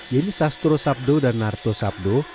yeni sastro sabdo dan narto sabdo